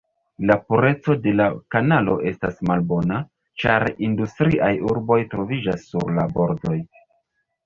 La pureco de la kanalo estas malbona, ĉar industriaj urboj troviĝas sur la bordoj.